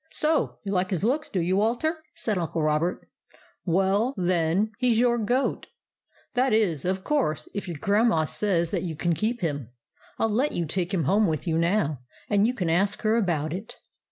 "So you like his looks, do you, Walter?" said Uncle Robert. "Well, then, he's your goat, — that is, of course, if your Grandma says that you can keep him. I '11 let you take him home with you now, and you can ask her about it."